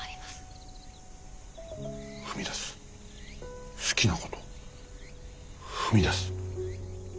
踏み出す好きなこと踏み出す。